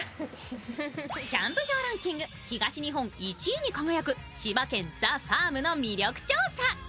キャンプ場ランキング、東日本１位に輝く千葉県ＴＨＥＦＡＲＭの魅力調査。